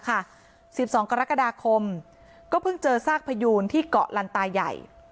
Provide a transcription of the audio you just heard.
๑๒กรกฎาคมก็เพิ่งเจอซากพยูนที่เกาะลันตาใหญ่